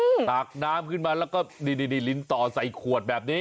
ตากน้ำขึ้นมาแล้วก็นี่นี่ลิ้นต่อใส่ขวดแบบนี้